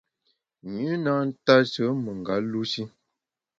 Nyü na ntashe menga lu shi.